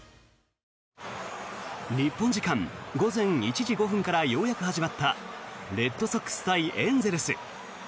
日本時間午前１時５分からようやく始まったレッドソックス対エンゼルス。